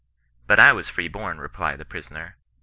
" But I was firee bom," replied the prisoner.